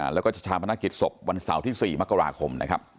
แล้วก็จะทำพนักกิจศพวันเสาร์ที่๔มกราคม